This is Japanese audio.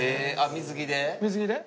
水着で？